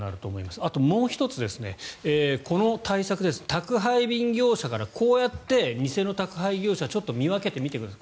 あともう１つこの対策、宅配便業者からこうやって偽の宅配業者を見分けてください。